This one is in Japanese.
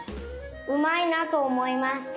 うまいなとおもいました。